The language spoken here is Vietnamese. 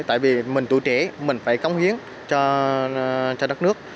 tại vì mình tuổi trẻ mình phải cống hiến cho đất nước